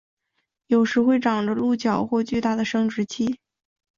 有时会长着鹿角或巨大的生殖器。